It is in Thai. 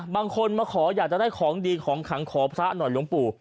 บางคนมาขออยากจะได้ของดีของขังขอพระหน่อยหลวงปู่